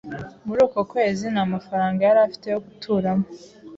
Muri uko kwezi, nta mafaranga yari afite yo guturamo.